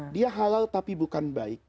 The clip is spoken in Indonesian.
dia halal tapi bukan baik